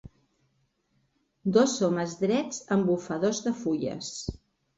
Dos homes drets amb bufadors de fulles.